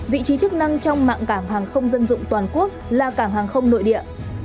vị trí chức năng trong mạng cảng hàng không dân dụng toàn quốc là cảng hàng không nội địa